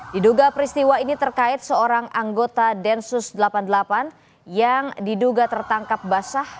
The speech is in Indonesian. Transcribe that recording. diduga peristiwa ini terkait seorang anggota densus delapan puluh delapan yang diduga tertangkap basah